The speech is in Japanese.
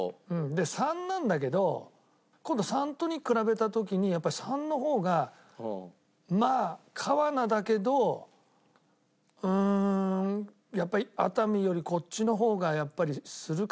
で３なんだけど今度３と２比べた時にやっぱり３の方がまあ川奈だけどうーんやっぱり熱海よりこっちの方がやっぱりするかなって。